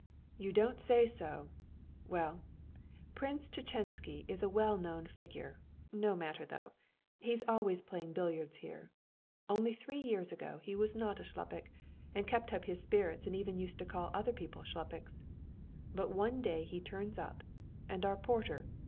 "You don't say so! Well, Prince Tchetchensky is a well known figure. No matter, though. He's always playing billiards here. Only three years ago he was not a shlupik and kept up his spirits and even used to call other people shlupiks. But one day he turns up, and our porter